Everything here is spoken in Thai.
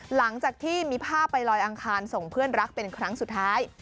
หลังจากที่มีภาพไปลอยอังคารส่งเพื่อนรักเป็นครั้งสุดท้าย